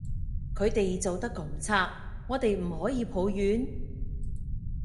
佢哋做得咁差，我哋唔可以抱怨？